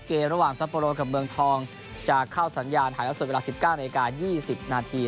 เกมระหว่างซัปโปโลกับเมืองทองจะเข้าสัญญาณถ่ายละสดเวลา๑๙นาที๒๐นาที